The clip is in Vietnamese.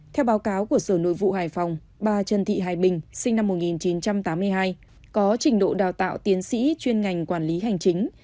theo báo cáo của sở nội vụ hải phòng bà trần thị hải bình sinh năm một nghìn chín trăm tám mươi hai có trình độ đào tạo tiến sĩ chuyên ngành quản lý hành chính